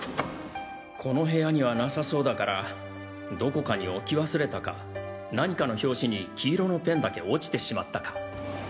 この部屋にはなさそうだからどこかに置き忘れたか何かの拍子に黄色のペンだけ落ちてしまったか。